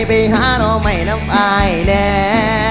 ไปหาหนอไม่น้ำอายแน่